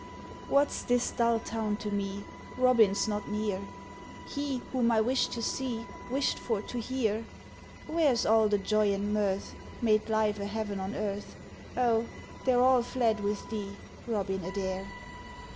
What's this dull town to me? Robin's not near, He whom I wished to see, Wished for to hear; Where's all the joy and mirth Made life a heaven on earth, O, they're all fled with thee, Robin Adair!